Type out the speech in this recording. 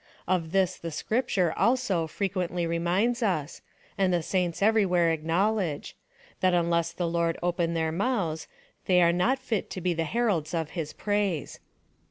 Of this the Scripture, also, frequently reminds us, and the saints everywhere acknow ledge — that unless the Lord open their mouths, they are not fit to be the heralds of his jiraise.